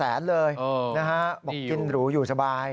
มีเงินเป็นแสนเลยนะฮะบอกกินหรูอยู่สบาย